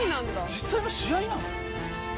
実際の試合なの？